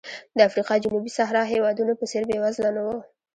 د افریقا جنوبي صحرا هېوادونو په څېر بېوزله نه و.